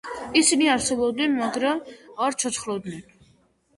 ისინი არსებობდნენ მაგრამ არ ცოცხლობდნენ